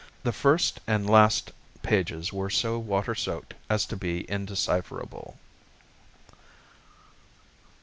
The first and last pages were so water soaked as to be indecipherable.)